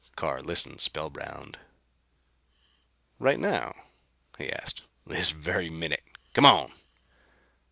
Carr listened spellbound. "Right now?" he asked. "This very minute. Come on."